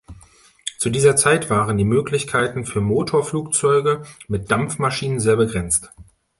Zu dieser Zeit waren die Möglichkeiten für Motorflugzeuge mit Dampfmaschinen sehr begrenzt.